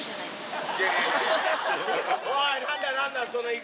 おい！